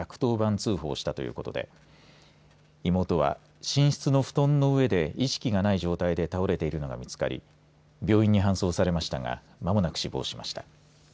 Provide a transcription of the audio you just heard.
通報したということで妹は寝室の布団の上で意識がない状態で倒れているのが見つかり病院に搬送されましたが間もなく死亡しました。